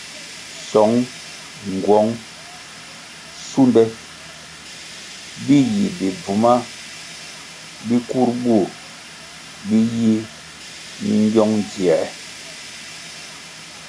Söng, nğuöng, sunde bi yi bi bvuma bi kur bur bi yi mingiong dzier.